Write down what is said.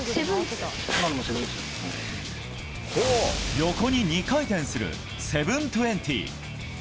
横に２回転する７２０。